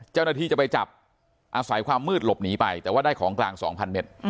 เจ้าหน้าที่จะไปจับอาศัยความมืดหลบหนีไปแต่ว่าได้ของกลาง๒๐๐เมตร